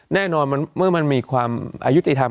แน่นอนเมื่อมันมีความอายุติธรรม